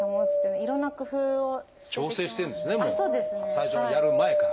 最初のやる前から。